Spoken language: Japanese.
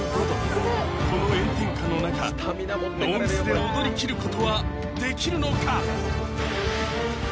この炎天下の中ノーミスで踊り切ることはできるのか？